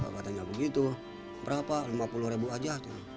katanya begitu berapa lima puluh ribu aja